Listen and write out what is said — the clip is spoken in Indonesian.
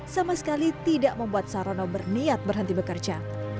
sama sekali tidak membuat sarono berniat berhenti bekerja